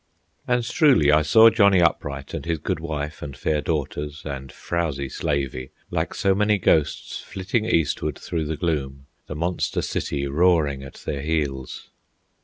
And truly I saw Johnny Upright, and his good wife and fair daughters, and frowzy slavey, like so many ghosts flitting eastward through the gloom, the monster city roaring at their heels.